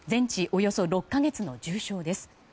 およそ６か月の重傷です。